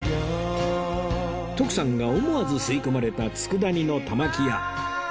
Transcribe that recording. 徳さんが思わず吸い込まれた佃煮の玉木屋